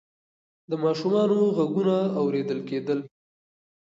د ماشومانو غږونه اورېدل کېدل.